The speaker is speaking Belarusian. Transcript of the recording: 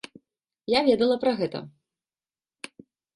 Я ведала пра гэта.